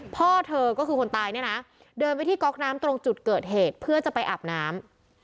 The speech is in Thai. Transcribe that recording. พ่อเธอก็คือคนตายเนี่ยนะเดินไปที่ก๊อกน้ำตรงจุดเกิดเหตุเพื่อจะไปอาบน้ำ